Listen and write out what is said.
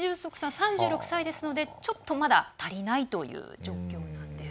３６歳ですのでちょっと、まだ足りないという状況なんです。